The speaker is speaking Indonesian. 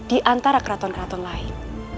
di antara keraton keraton lain